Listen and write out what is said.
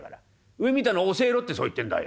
上見たの教えろってそう言ってんだよ」。